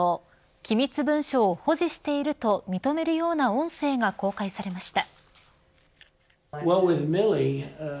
機密文書を保持していると認めるような音声が公開されました。